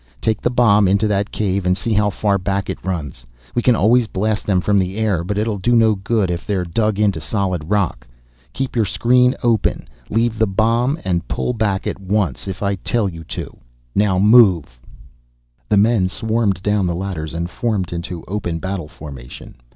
Take the bomb into that cave and see how far back it runs. We can always blast them from the air, but it'll do no good if they're dug into solid rock. Keep your screen open, leave the bomb and pull back at once if I tell you to. Now move." The men swarmed down the ladders and formed into open battle formation.